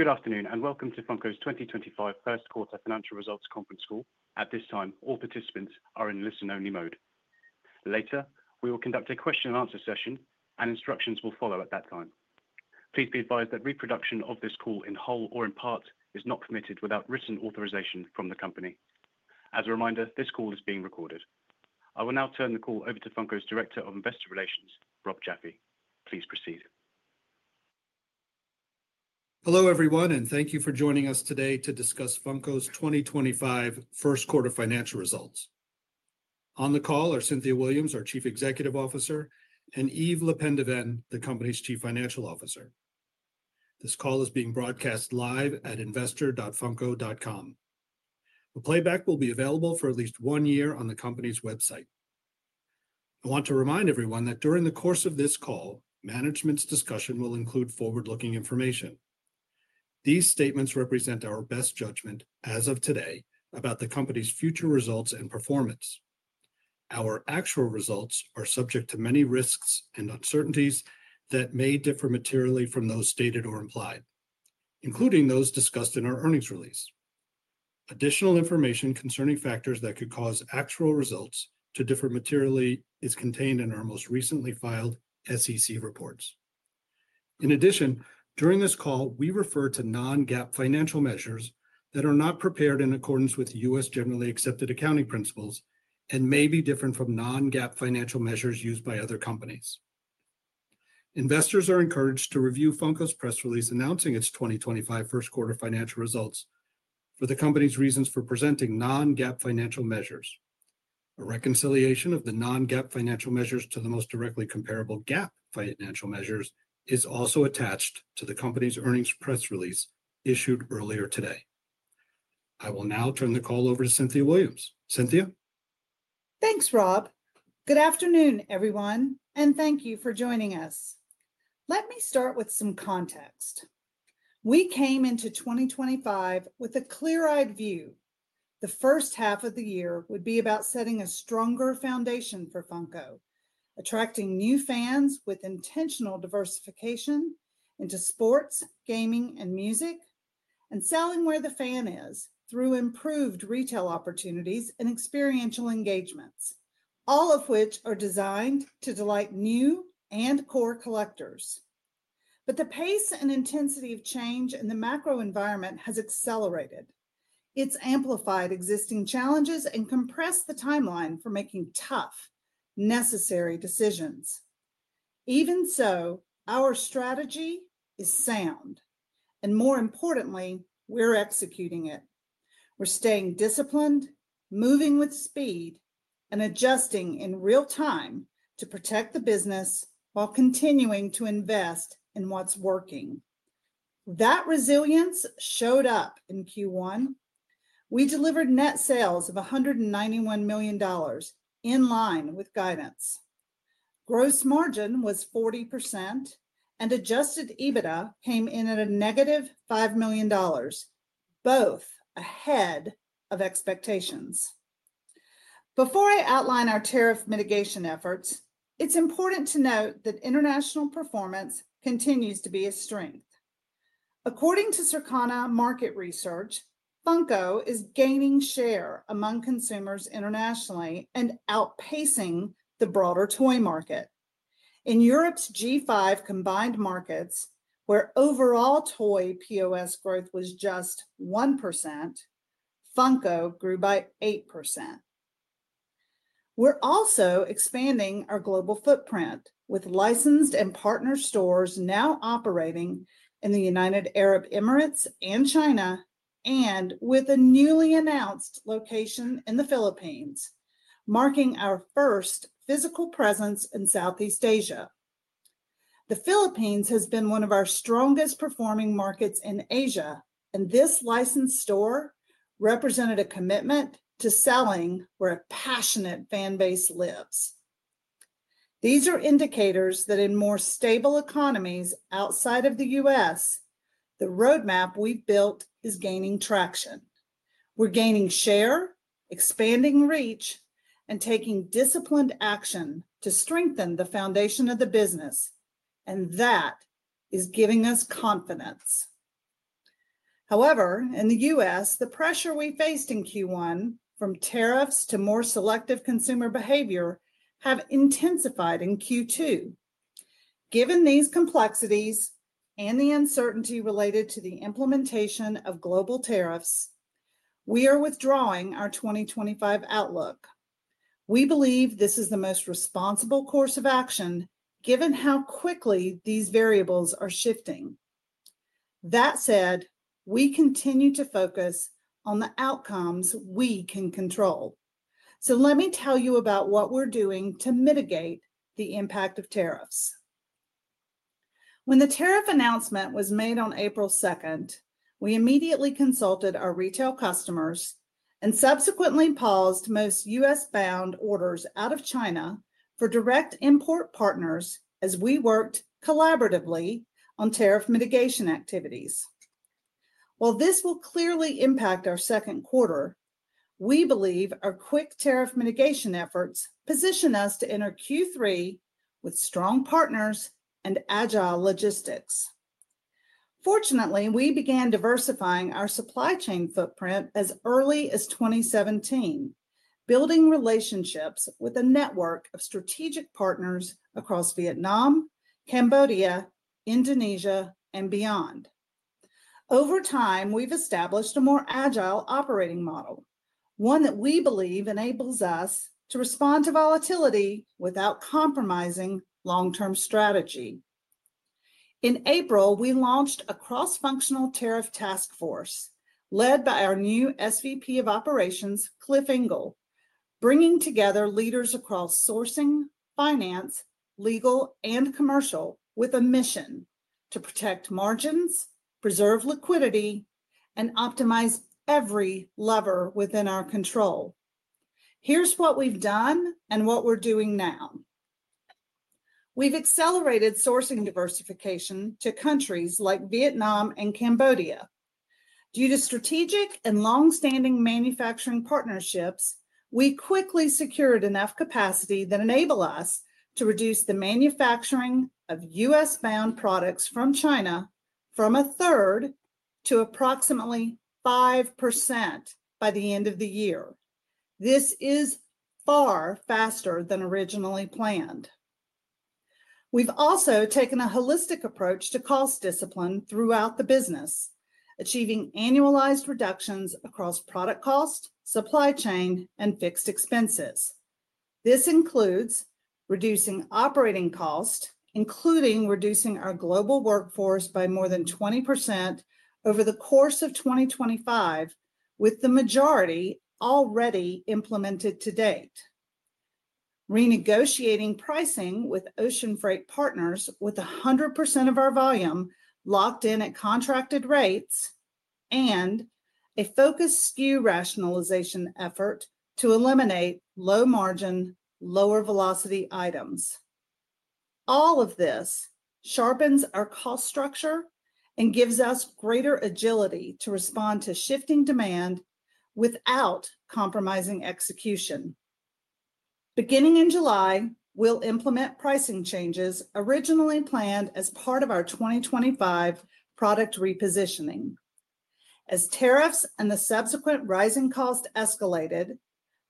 Good afternoon and welcome to Funko's 2025 first quarter financial results conference call. At this time, all participants are in listen-only mode. Later, we will conduct a question-and-answer session, and instructions will follow at that time. Please be advised that reproduction of this call in whole or in part is not permitted without written authorization from the company. As a reminder, this call is being recorded. I will now turn the call over to Funko's Director of Investor Relations, Rob Jaffe. Please proceed. Hello everyone, and thank you for joining us today to discuss Funko's 2025 First Quarter financial results. On the call are Cynthia Williams, our Chief Executive Officer, and Yves LePendeven, the company's Chief Financial Officer. This call is being broadcast live at investor.funko.com. The playback will be available for at least one year on the company's website. I want to remind everyone that during the course of this call, management's discussion will include forward-looking information. These statements represent our best judgment as of today about the company's future results and performance. Our actual results are subject to many risks and uncertainties that may differ materially from those stated or implied, including those discussed in our earnings release. Additional information concerning factors that could cause actual results to differ materially is contained in our most recently filed SEC reports. In addition, during this call, we refer to non-GAAP financial measures that are not prepared in accordance with U.S. generally accepted accounting principles and may be different from non-GAAP financial measures used by other companies. Investors are encouraged to review Funko's press release announcing its 2025 First Quarter financial results for the company's reasons for presenting non-GAAP financial measures. A reconciliation of the non-GAAP financial measures to the most directly comparable GAAP financial measures is also attached to the company's earnings press release issued earlier today. I will now turn the call over to Cynthia Williams. Cynthia. Thanks, Rob. Good afternoon, everyone, and thank you for joining us. Let me start with some context. We came into 2025 with a clear-eyed view. The first half of the year would be about setting a stronger foundation for Funko, attracting new fans with intentional diversification into sports, gaming, and music, and selling where the fan is through improved retail opportunities and experiential engagements, all of which are designed to delight new and core collectors. The pace and intensity of change in the macro environment has accelerated. It has amplified existing challenges and compressed the timeline for making tough, necessary decisions. Even so, our strategy is sound, and more importantly, we're executing it. We're staying disciplined, moving with speed, and adjusting in real time to protect the business while continuing to invest in what's working. That resilience showed up in Q1. We delivered net sales of $191 million in line with guidance. Gross margin was 40%, and adjusted EBITDA came in at a -$5 million, both ahead of expectations. Before I outline our tariff mitigation efforts, it's important to note that international performance continues to be a strength. According to Circana Market Research, Funko is gaining share among consumers internationally and outpacing the broader toy market. In Europe's G5 combined markets, where overall toy POS growth was just 1%, Funko grew by 8%. We're also expanding our global footprint, with licensed and partner stores now operating in the United Arab Emirates and China, and with a newly announced location in the Philippines, marking our first physical presence in Southeast Asia. The Philippines has been one of our strongest performing markets in Asia, and this licensed store represented a commitment to selling where a passionate fan base lives. These are indicators that in more stable economies outside of the U.S., the roadmap we've built is gaining traction. We're gaining share, expanding reach, and taking disciplined action to strengthen the foundation of the business, and that is giving us confidence. However, in the U.S., the pressure we faced in Q1, from tariffs to more selective consumer behavior, has intensified in Q2. Given these complexities and the uncertainty related to the implementation of global tariffs, we are withdrawing our 2025 outlook. We believe this is the most responsible course of action, given how quickly these variables are shifting. That said, we continue to focus on the outcomes we can control. Let me tell you about what we're doing to mitigate the impact of tariffs. When the tariff announcement was made on April 2nd, we immediately consulted our retail customers and subsequently paused most U.S.-bound orders out of China for direct import partners as we worked collaboratively on tariff mitigation activities. While this will clearly impact our second quarter, we believe our quick tariff mitigation efforts position us to enter Q3 with strong partners and agile logistics. Fortunately, we began diversifying our supply chain footprint as early as 2017, building relationships with a network of strategic partners across Vietnam, Cambodia, Indonesia, and beyond. Over time, we've established a more agile operating model, one that we believe enables us to respond to volatility without compromising long-term strategy. In April, we launched a cross-functional tariff task force led by our new SVP of Operations, Cliff Engle, bringing together leaders across sourcing, finance, legal, and commercial with a mission to protect margins, preserve liquidity, and optimize every lever within our control. Here's what we've done and what we're doing now. We've accelerated sourcing diversification to countries like Vietnam and Cambodia. Due to strategic and long-standing manufacturing partnerships, we quickly secured enough capacity that enables us to reduce the manufacturing of U.S.-bound products from China from a third to approximately 5% by the end of the year. This is far faster than originally planned. We've also taken a holistic approach to cost discipline throughout the business, achieving annualized reductions across product cost, supply chain, and fixed expenses. This includes reducing operating cost, including reducing our global workforce by more than 20% over the course of 2025, with the majority already implemented to date. Renegotiating pricing with ocean freight partners with 100% of our volume locked in at contracted rates, and a focused SKU rationalization effort to eliminate low-margin, lower-velocity items. All of this sharpens our cost structure and gives us greater agility to respond to shifting demand without compromising execution. Beginning in July, we'll implement pricing changes originally planned as part of our 2025 product repositioning. As tariffs and the subsequent rising cost escalated,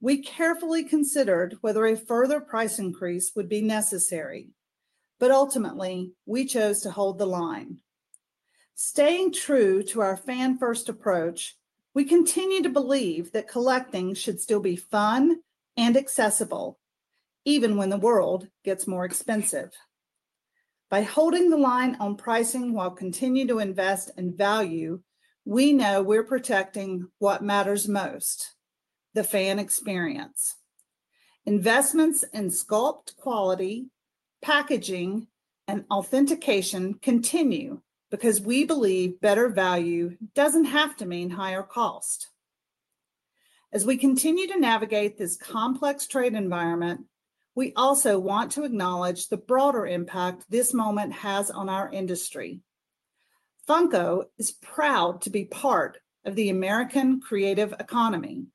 we carefully considered whether a further price increase would be necessary, but ultimately, we chose to hold the line. Staying true to our fan-first approach, we continue to believe that collecting should still be fun and accessible, even when the world gets more expensive. By holding the line on pricing while continuing to invest in value, we know we're protecting what matters most: the fan experience. Investments in sculpt quality, packaging, and authentication continue because we believe better value doesn't have to mean higher cost. As we continue to navigate this complex trade environment, we also want to acknowledge the broader impact this moment has on our industry. Funko is proud to be part of the American creative economy.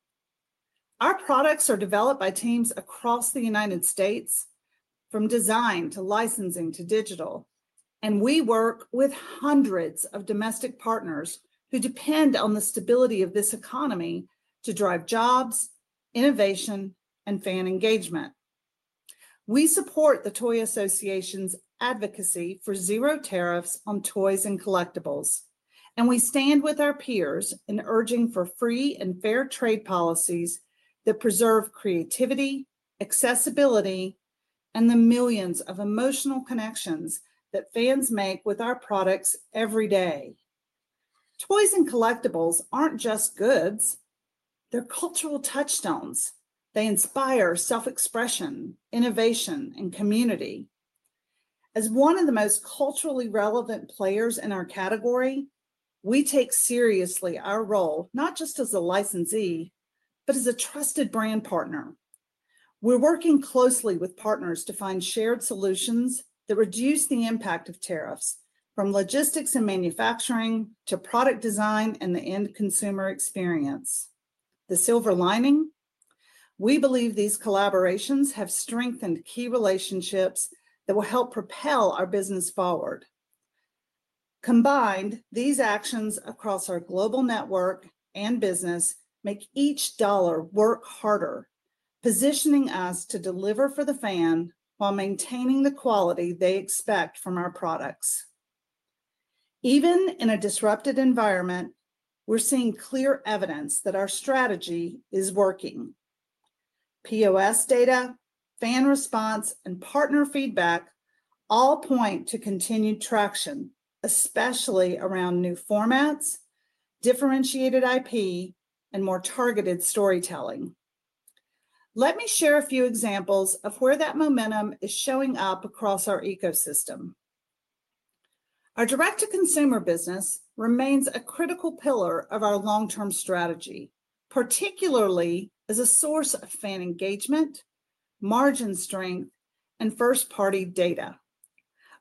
Our products are developed by teams across the United States, from design to licensing to digital, and we work with hundreds of domestic partners who depend on the stability of this economy to drive jobs, innovation, and fan engagement. We support the Toy Association's advocacy for zero tariffs on toys and collectibles, and we stand with our peers in urging for free and fair trade policies that preserve creativity, accessibility, and the millions of emotional connections that fans make with our products every day. Toys and collectibles aren't just goods; they're cultural touchstones. They inspire self-expression, innovation, and community. As one of the most culturally relevant players in our category, we take seriously our role not just as a licensee, but as a trusted brand partner. We're working closely with partners to find shared solutions that reduce the impact of tariffs, from logistics and manufacturing to product design and the end consumer experience. The silver lining? We believe these collaborations have strengthened key relationships that will help propel our business forward. Combined, these actions across our global network and business make each dollar work harder, positioning us to deliver for the fan while maintaining the quality they expect from our products. Even in a disrupted environment, we're seeing clear evidence that our strategy is working. POS data, fan response, and partner feedback all point to continued traction, especially around new formats, differentiated IP, and more targeted storytelling. Let me share a few examples of where that momentum is showing up across our ecosystem. Our direct-to-consumer business remains a critical pillar of our long-term strategy, particularly as a source of fan engagement, margin strength, and first-party data.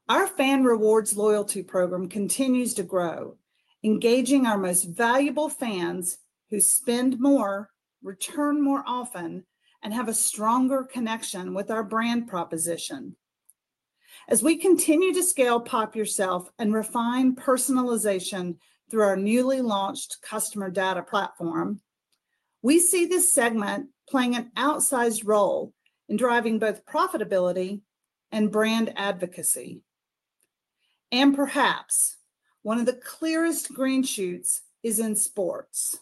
Our fan rewards loyalty program continues to grow, engaging our most valuable fans who spend more, return more often, and have a stronger connection with our brand proposition. As we continue to scale Pop! Yourself and refine personalization through our newly launched customer data platform, we see this segment playing an outsized role in driving both profitability and brand advocacy. Perhaps one of the clearest green shoots is in sports.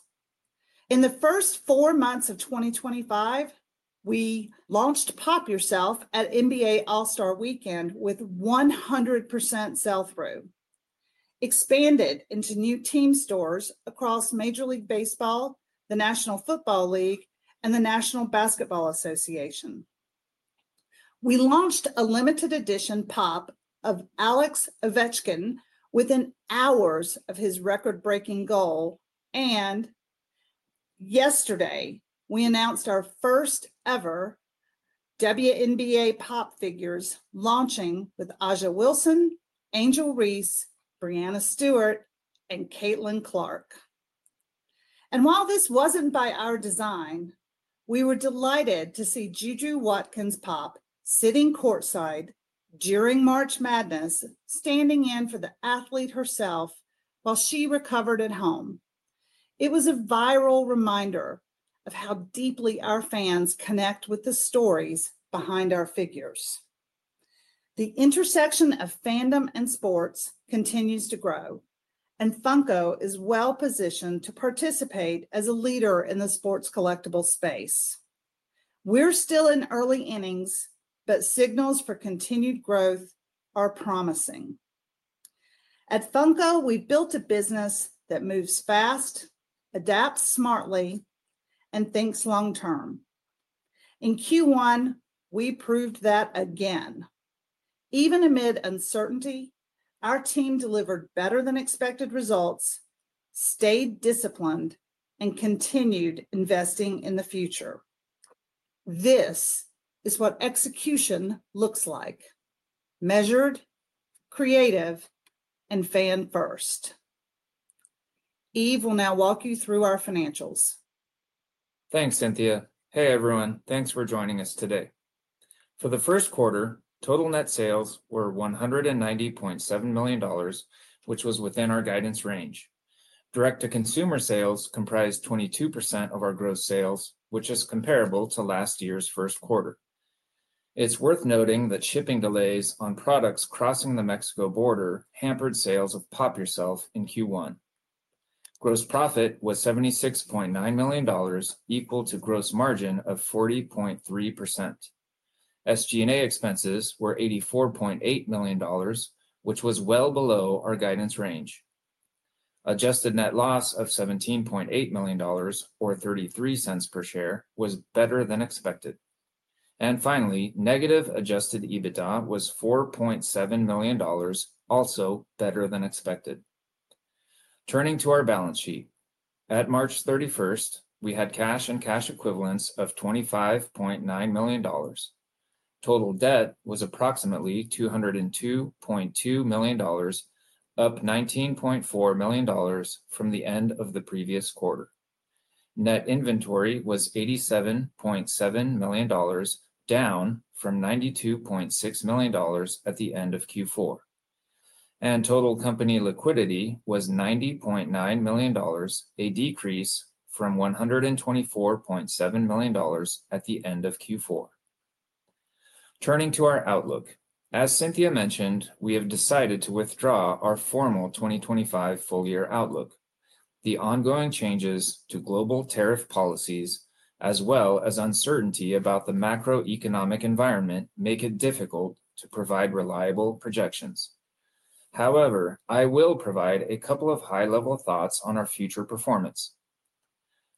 In the first four months of 2025, we launched Pop! Yourself at NBA All-Star Weekend with 100% sell-through, expanded into new team stores across Major League Baseball, the National Football League, and the National Basketball Association. We launched a limited edition Pop! of Alex Ovechkin within hours of his record-breaking goal, and yesterday, we announced our first-ever WNBA Pop! figures launching with A'ja Wilson, Angel Reese, Breanna Stewart, and Caitlin Clark. While this was not by our design, we were delighted to see JuJu Watkins Pop! sitting courtside during march madness standing in for the athlete herself while she recovered at home. It was a viral reminder of how deeply our fans connect with the stories behind our figures. The intersection of fandom and sports continues to grow, and Funko is well-positioned to participate as a leader in the sports collectible space. We're still in early innings, but signals for continued growth are promising. At Funko, we've built a business that moves fast, adapts smartly, and thinks long-term. In Q1, we proved that again. Even amid uncertainty, our team delivered better-than-expected results, stayed disciplined, and continued investing in the future. This is what execution looks like: measured, creative, and fan-first. Yves will now walk you through our financials. Thanks, Cynthia. Hey, everyone. Thanks for joining us today. For the first quarter, total net sales were $190.7 million, which was within our guidance range. Direct-to-consumer sales comprised 22% of our gross sales, which is comparable to last year's first quarter. It's worth noting that shipping delays on products crossing the Mexico border hampered sales of Pop! Yourself in Q1. Gross profit was $76.9 million, equal to gross margin of 40.3%. SG&A expenses were $84.8 million, which was well below our guidance range. Adjusted net loss of $17.8 million, or $0.33 per share, was better than expected. Finally, negative adjusted EBITDA was $4.7 million, also better than expected. Turning to our balance sheet, at March 31, we had cash and cash equivalents of $25.9 million. Total debt was approximately $202.2 million, up $19.4 million from the end of the previous quarter. Net inventory was $87.7 million, down from $92.6 million at the end of Q4. Total company liquidity was $90.9 million, a decrease from $124.7 million at the end of Q4. Turning to our outlook, as Cynthia mentioned, we have decided to withdraw our formal 2025 full-year outlook. The ongoing changes to global tariff policies, as well as uncertainty about the macroeconomic environment, make it difficult to provide reliable projections. However, I will provide a couple of high-level thoughts on our future performance.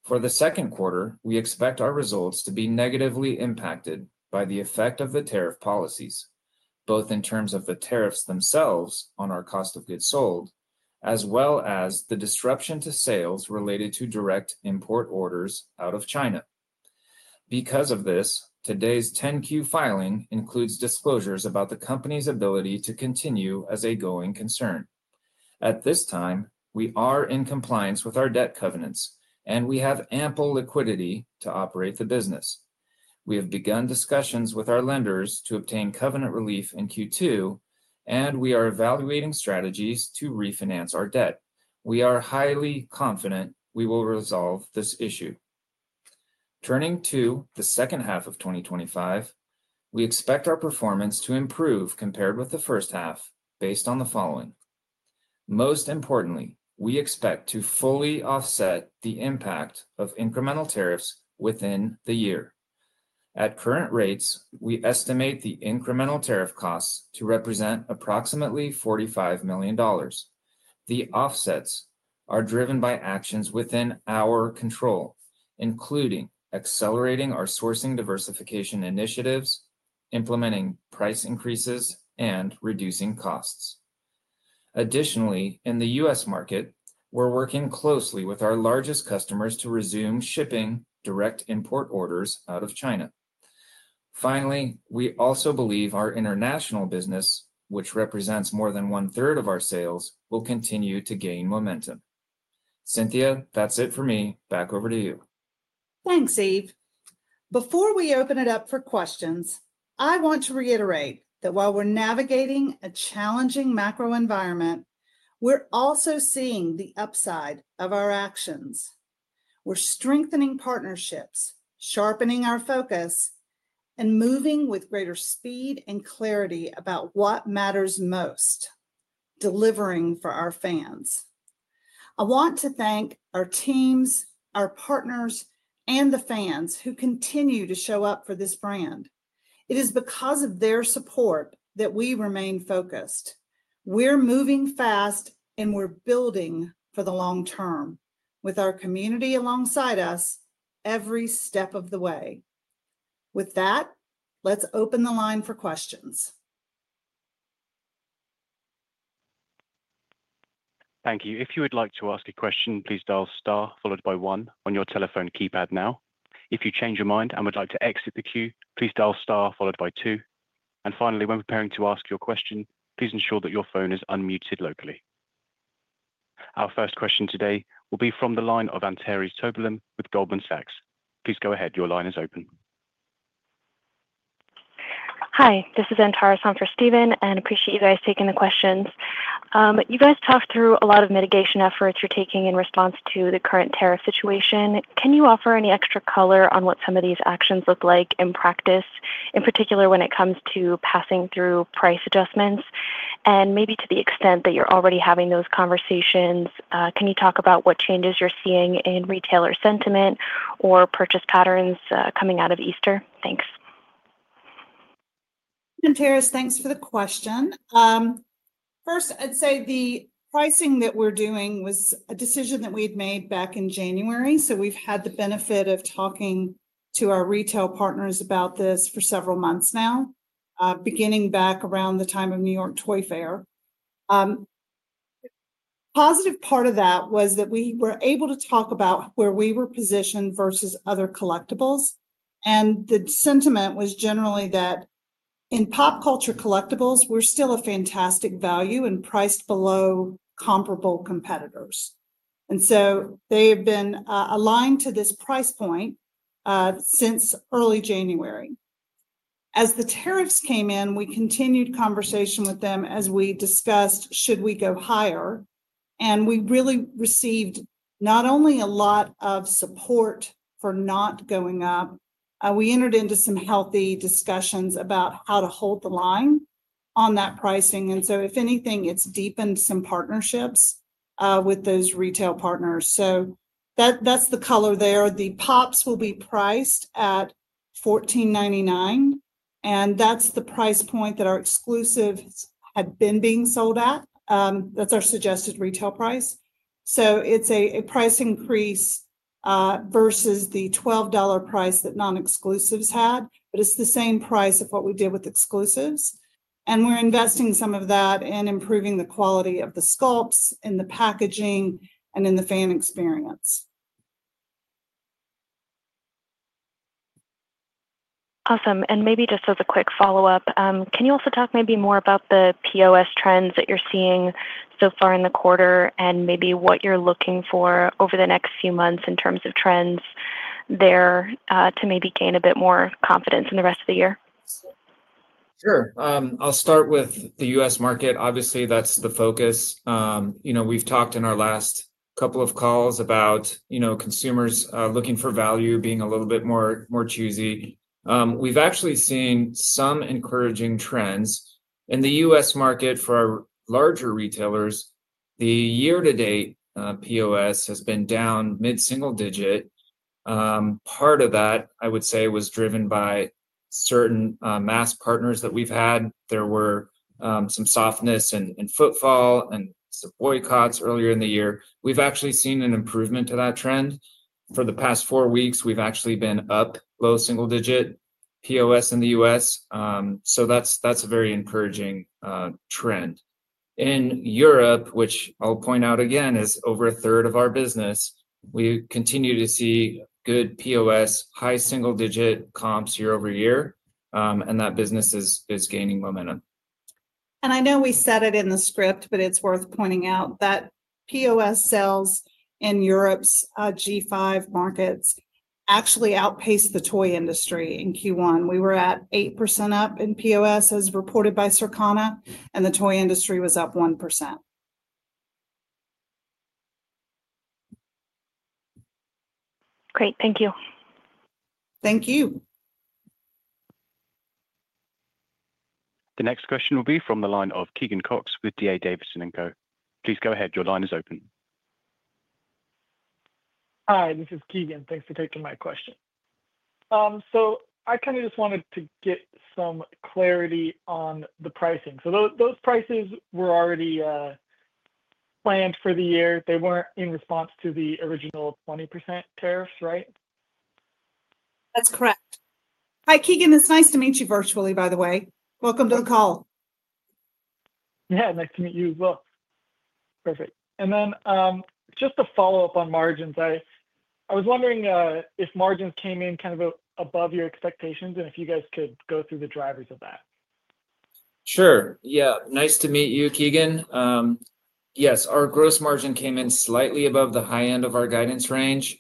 For the second quarter, we expect our results to be negatively impacted by the effect of the tariff policies, both in terms of the tariffs themselves on our cost of goods sold, as well as the disruption to sales related to direct import orders out of China. Because of this, today's 10-Q filing includes disclosures about the company's ability to continue as a going concern. At this time, we are in compliance with our debt covenants, and we have ample liquidity to operate the business. We have begun discussions with our lenders to obtain covenant relief in Q2, and we are evaluating strategies to refinance our debt. We are highly confident we will resolve this issue. Turning to the second half of 2025, we expect our performance to improve compared with the first half based on the following. Most importantly, we expect to fully offset the impact of incremental tariffs within the year. At current rates, we estimate the incremental tariff costs to represent approximately $45 million. The offsets are driven by actions within our control, including accelerating our sourcing diversification initiatives, implementing price increases, and reducing costs. Additionally, in the U.S. market, we're working closely with our largest customers to resume shipping direct import orders out of China. Finally, we also believe our international business, which represents more than one-third of our sales, will continue to gain momentum. Cynthia, that's it for me. Back over to you. Thanks, Yves. Before we open it up for questions, I want to reiterate that while we're navigating a challenging macro environment, we're also seeing the upside of our actions. We're strengthening partnerships, sharpening our focus, and moving with greater speed and clarity about what matters most: delivering for our fans. I want to thank our teams, our partners, and the fans who continue to show up for this brand. It is because of their support that we remain focused. We're moving fast, and we're building for the long term with our community alongside us every step of the way. With that, let's open the line for questions. Thank you. If you would like to ask a question, please dial star, followed by one, on your telephone keypad now. If you change your mind and would like to exit the queue, please dial star, followed by two. Finally, when preparing to ask your question, please ensure that your phone is unmuted locally. Our first question today will be from the line of Anteris Humphrey-Steven with Goldman Sachs. Please go ahead. Your line is open. Hi, this is Anteris Humphrey-Steven, and I appreciate you guys taking the questions. You guys talked through a lot of mitigation efforts you are taking in response to the current tariff situation. Can you offer any extra color on what some of these actions look like in practice, in particular when it comes to passing through price adjustments? Maybe to the extent that you are already having those conversations, can you talk about what changes you are seeing in retailer sentiment or purchase patterns coming out of Easter? Thanks. Thanks. Anteris, thanks for the question. First, I would say the pricing that we are doing was a decision that we had made back in January. We've had the benefit of talking to our retail partners about this for several months now, beginning back around the time of New York Toy Fair. The positive part of that was that we were able to talk about where we were positioned versus other collectibles. The sentiment was generally that in pop culture collectibles, we're still a fantastic value and priced below comparable competitors. They have been aligned to this price point since early January. As the tariffs came in, we continued conversation with them as we discussed, should we go higher? We really received not only a lot of support for not going up, we entered into some healthy discussions about how to hold the line on that pricing. If anything, it's deepened some partnerships with those retail partners. That's the color there. The Pops! will be priced at $14.99, and that's the price point that our exclusives had been being sold at. That's our suggested retail price. It's a price increase versus the $12 price that non-exclusives had, but it's the same price of what we did with exclusives. We're investing some of that in improving the quality of the sculpts, in the packaging, and in the fan experience. Awesome. Maybe just as a quick follow-up, can you also talk maybe more about the POS trends that you're seeing so far in the quarter and maybe what you're looking for over the next few months in terms of trends there to maybe gain a bit more confidence in the rest of the year? Sure. I'll start with the U.S. market. Obviously, that's the focus. We've talked in our last couple of calls about consumers looking for value, being a little bit more choosy. We've actually seen some encouraging trends. In the U.S. market for our larger retailers, the year-to-date POS has been down mid-single digit. Part of that, I would say, was driven by certain mass partners that we've had. There were some softness and footfall and some boycotts earlier in the year. We've actually seen an improvement to that trend. For the past four weeks, we've actually been up low single-digit POS in the U.S. That's a very encouraging trend. In Europe, which I'll point out again is over a third of our business, we continue to see good POS, high single-digit comps year over year, and that business is gaining momentum. I know we said it in the script, but it's worth pointing out that POS sales in Europe's G5 markets actually outpaced the toy industry in Q1. We were at 8% up in POS, as reported by Circana, and the toy industry was up 1%. Great. Thank you. Thank you. The next question will be from the line of Keegan Cox with D.A. Davidson & Co. Please go ahead. Your line is open. Hi, this is Keegan. Thanks for taking my question. I kind of just wanted to get some clarity on the pricing. Those prices were already planned for the year. They were not in response to the original 20% tariffs, right? That's correct. Hi, Keegan. It's nice to meet you virtually, by the way. Welcome to the call. Yeah, nice to meet you as well. Perfect. Just to follow up on margins, I was wondering if margins came in kind of above your expectations and if you guys could go through the drivers of that. Sure. Yeah. Nice to meet you, Keegan. Yes, our gross margin came in slightly above the high end of our guidance range.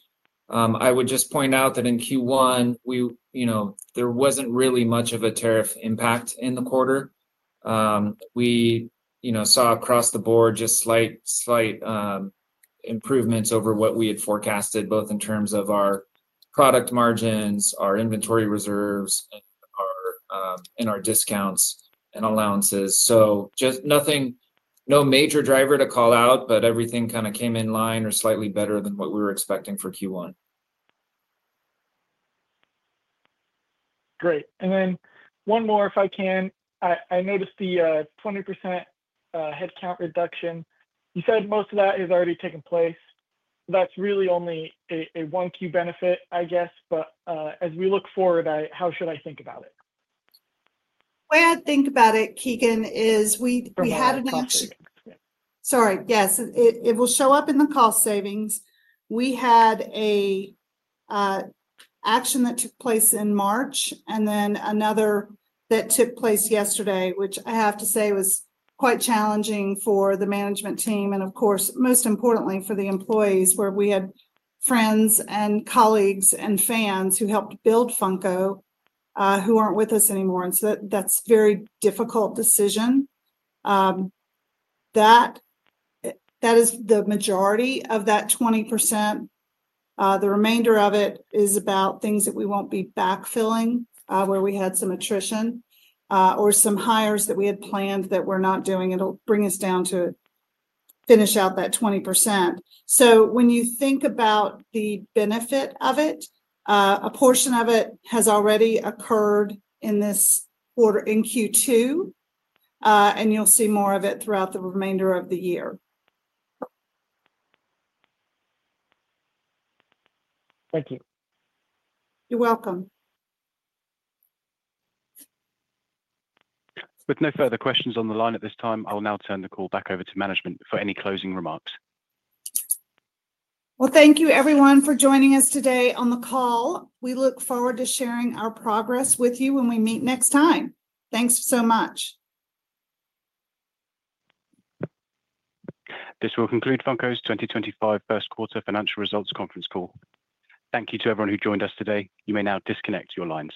I would just point out that in Q1, there was not really much of a tariff impact in the quarter. We saw across the board just slight improvements over what we had forecasted, both in terms of our product margins, our inventory reserves, and our discounts and allowances. Just no major driver to call out, but everything kind of came in line or slightly better than what we were expecting for Q1. Great. One more, if I can. I noticed the 20% headcount reduction. You said most of that has already taken place. That's really only a one-key benefit, I guess. As we look forward, how should I think about it? The way I think about it, Keegan, is we had an action. Sorry. Yes. It will show up in the cost savings. We had an action that took place in March and then another that took place yesterday, which I have to say was quite challenging for the management team and, of course, most importantly, for the employees, where we had friends and colleagues and fans who helped build Funko who aren't with us anymore. That is a very difficult decision. That is the majority of that 20%. The remainder of it is about things that we won't be backfilling, where we had some attrition or some hires that we had planned that we're not doing. It'll bring us down to finish out that 20%. When you think about the benefit of it, a portion of it has already occurred in this quarter in Q2, and you'll see more of it throughout the remainder of the year. Thank you. You're welcome. With no further questions on the line at this time, I'll now turn the call back over to management for any closing remarks. Thank you, everyone, for joining us today on the call. We look forward to sharing our progress with you when we meet next time. Thanks so much. This will conclude Funko's 2025 first quarter financial results conference call. Thank you to everyone who joined us today. You may now disconnect your lines.